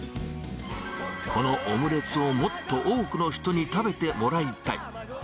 このオムレツをもっと多くの人に食べてもらいたい。